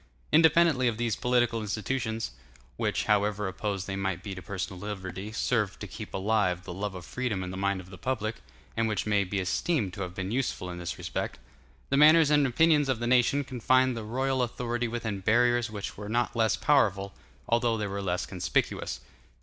Independently of these political institutions—which, however opposed they might be to personal liberty, served to keep alive the love of freedom in the mind of the public, and which may be esteemed to have been useful in this respect—the manners and opinions of the nation confined the royal authority within barriers which were not less powerful, although they were less conspicuous.